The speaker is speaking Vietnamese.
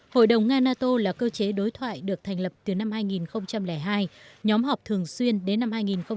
hội đồng nga nato là cơ chế đối thoại được thành lập từ năm hai nghìn hai nhóm họp thường xuyên đến năm hai nghìn một mươi